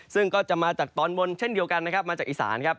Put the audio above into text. ซึ่งก็จะมาจากตอนบนเช่นเดียวกันนะครับมาจากอีสานครับ